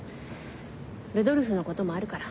「ルドルフ」のこともあるから。